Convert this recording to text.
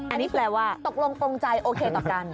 อันนี้แปลว่าตกลงตรงใจโอเคต่อกัน